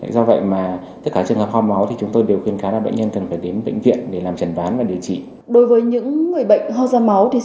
do vậy mà tất cả trường hợp ho máu thì chúng tôi đều khuyên cán bệnh nhân cần phải đến bệnh viện để làm trần ván và điều trị